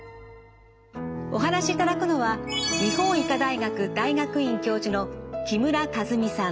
お話しいただくのは日本医科大学大学院教授の木村和美さん。